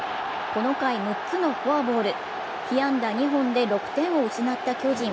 この回６つのフォアボール、被安打２本で６点を失った巨人。